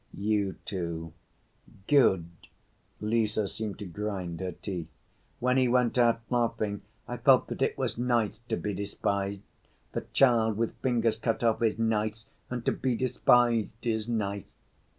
"You, too." "Good," Lise seemed to grind her teeth. "When he went out laughing, I felt that it was nice to be despised. The child with fingers cut off is nice, and to be despised is nice...."